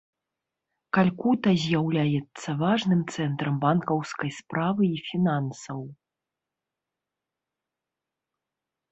Калькута з'яўляецца важным цэнтрам банкаўскай справы і фінансаў.